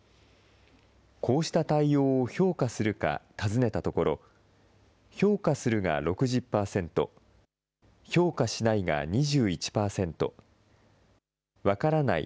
こうした対応を評価するか尋ねたところ、評価するが６０％、評価しないが２１％、分からない